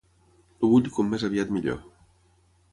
El vull com més aviat millor.